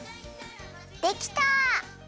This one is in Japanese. できた！